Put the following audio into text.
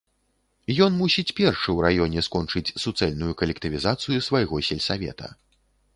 Ён мусіць першы ў раёне скончыць суцэльную калектывізацыю свайго сельсавета.